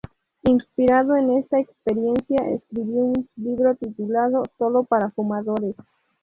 Inspirado en esta experiencia, escribió un libro titulado "Solo para fumadores".